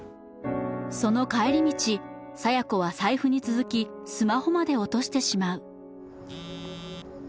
その帰り道佐弥子は財布に続きスマホまで落としてしまう